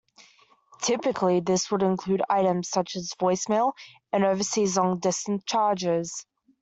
Typically this would include items such as voice mail and overseas long distance charges.